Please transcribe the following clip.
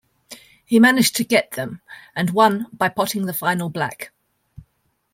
He managed to get them and won by potting the final black.